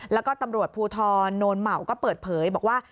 แล้วก็ตำรวจภูทรโนนเหมาก็เปิดเผยบอกว่า